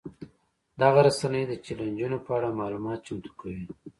دغه رسنۍ د چلنجونو په اړه معلومات چمتو کوي.